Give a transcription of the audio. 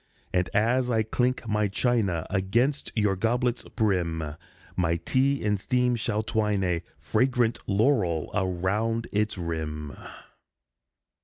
And, as I clink my china Against your goblet's brim, My tea in steam shall twine a Fragrant laurel round its rim.